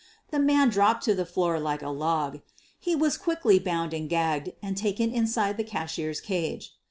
The man dropped to the floor like a log. He was quickly bound and gagged and taken inside the cashier's cage.